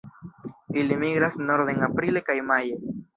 Ili migras norden aprile kaj maje.